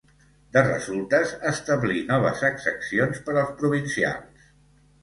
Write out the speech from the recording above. De resultes, establí noves exaccions per als provincials.